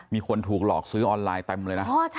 มีคนถูกหลอกซื้อออนไลน์เต็มเลยนะ